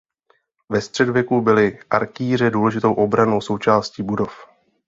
Ve středověku byly arkýře důležitou obrannou součástí budov.